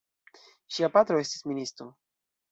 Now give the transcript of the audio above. Ŝia patro estis ministo.